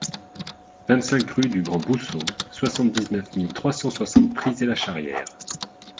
vingt-cinq rue du Grand Bousseau, soixante-dix-neuf mille trois cent soixante Prissé-la-Charrière